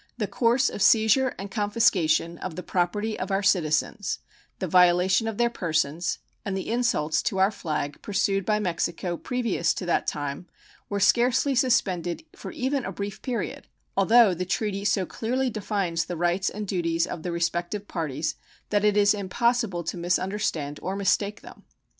The course of seizure and confiscation of the property of our citizens, the violation of their persons, and the insults to our flag pursued by Mexico previous to that time were scarcely suspended for even a brief period, although the treaty so clearly defines the rights and duties of the respective parties that it is impossible to misunderstand or mistake them.